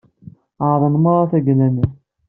Ɛerḍen merra tagella-nni.